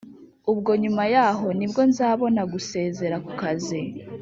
ubwo nyuma yaho nibwo nzabona gusezera ku kazi